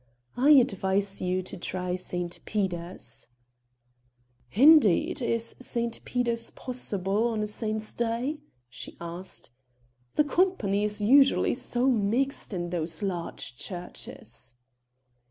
"I advise you to try St. Peter's." "Indeed, is St. Peter's possible on a saint's day?" she asked. "The company is usually so mixed in those large churches."